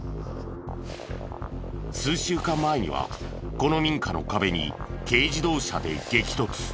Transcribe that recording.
数週間前にはこの民家の壁に軽自動車で激突。